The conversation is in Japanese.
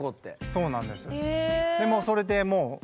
そうなんです。